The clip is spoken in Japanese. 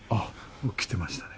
着てましたね。